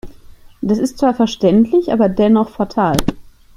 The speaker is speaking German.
Das ist zwar verständlich, aber dennoch fatal.